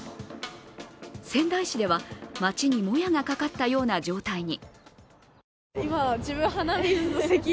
仙台市では、街にもやがかかったような状態に。